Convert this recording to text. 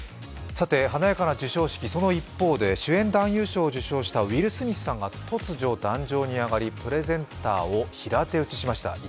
華やかな授賞式、その一方で主演男優賞を受賞したウィル・スミスさんが突如、壇上に上がりプレゼンターを平手打ちしました。